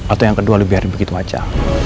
atau yang kedua lo biarkan begitu aja